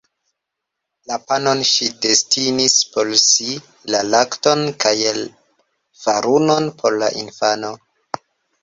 La panon ŝi destinis por si, la lakton kaj farunon por la infano.